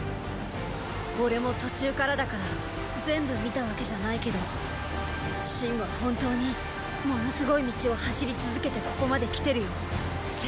オレも途中からだから全部見たわけじゃないけど信は本当に物凄い道を走り続けてここまで来てるよ政。